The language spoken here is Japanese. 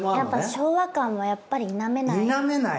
昭和感はやっぱり否めない。